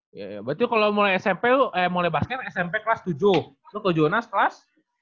berarti kalo mulai smp lo eh mulai basket smp kelas tujuh lo ke jonas kelas